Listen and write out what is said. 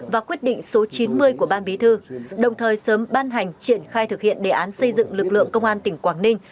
và quyết định số chín mươi của ban bí thư đồng thời sớm ban hành triển khai thực hiện đề án xây dựng lực lượng công an tỉnh quảng ninh